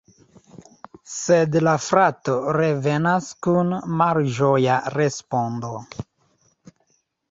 Sed la frato revenas kun malĝoja respondo.